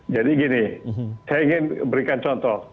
jadi gini saya ingin berikan contoh